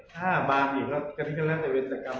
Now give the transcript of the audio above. ถ้าบางอย่างนี้ก็กระทิกกันแล้วแต่เว้นแต่กรรมนะ